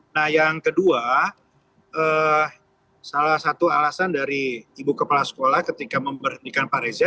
nah yang kedua salah satu alasan dari ibu kepala sekolah ketika memberhentikan pak reza